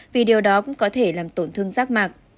vì điều đó cũng có thể làm tổn thương rác mạc